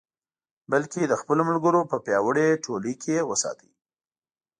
بلکې د خپلو ملګرو په پیاوړې ټولۍ کې یې وساته.